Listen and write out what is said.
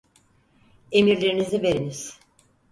Emirlerinizi veriniz!